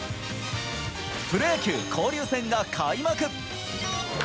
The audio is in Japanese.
プロ野球交流戦が開幕。